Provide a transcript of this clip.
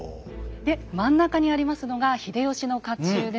で真ん中にありますのが秀吉の甲冑ですね。